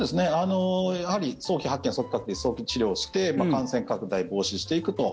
やはり、早期発見早期隔離、早期治療して感染拡大防止していくと。